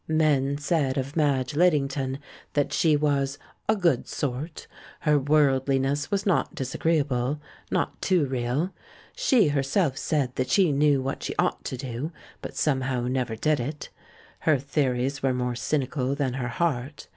Men said of Madge Liddington that she was "a good sort." Her worldliness was not disagree able, not too real. She herself said that she knew what she ought to do, but somehow never did it. Her theories were more cynical than her heart.